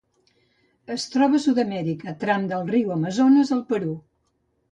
Es troba a Sud-amèrica: tram del riu Amazones al Perú.